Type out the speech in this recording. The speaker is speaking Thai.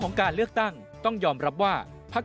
ไทยรัฐคู่มือเลือกต่างนั้นจะหาเงินมาจากที่ไหนได้บ้าง